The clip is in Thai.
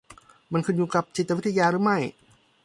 มันขึ้นอยู่กับจิตวิทยาหรือไม่ ?